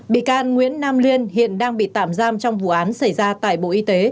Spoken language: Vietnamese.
bị can nguyễn nam liên hiện đang bị tạm giam trong vụ án xảy ra tại bộ y tế